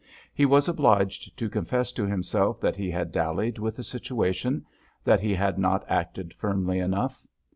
He was obliged to confess to himself that he had dallied with the situation, that he had not acted firmly enough.